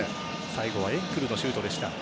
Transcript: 最後はエンクルのシュートでした。